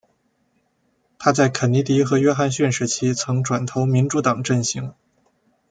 她在肯尼迪和约翰逊时期曾转投民主党阵型。